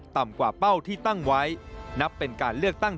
ต่ำกว่าเป้าที่ตั้งไว้นับเป็นการเลือกตั้ง